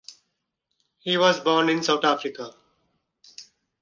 He was born in South Africa.